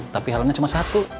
tapi helmnya cuma satu